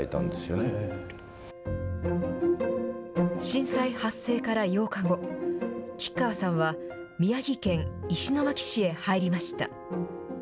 震災発生から８日後、吉川さんは、宮城県石巻市へ入りました。